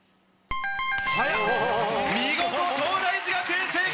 見事東大寺学園正解！